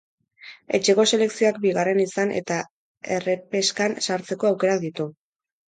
Etxeko selekzioak bigarren izan eta errepeskan sartzeko aukerak ditu.